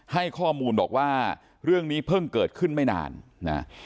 ให้ข้อมูลบอกว่าเรื่องนี้เพิ่งเกิดขึ้นไม่นานนะ